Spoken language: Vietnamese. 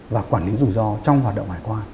và quản lý rủi ro trong hoạt động hải quan